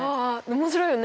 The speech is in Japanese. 面白いよね。